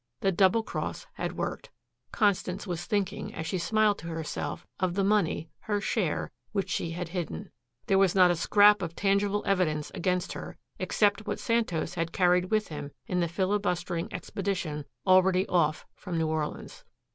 The double cross had worked. Constance was thinking, as she smiled to herself, of the money, her share, which she had hidden. There was not a scrap of tangible evidence against her, except what Santos had carried with him in the filibustering expedition already off from New Orleans.